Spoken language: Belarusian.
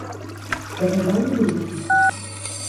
Я казаў, не буду падпісвацца.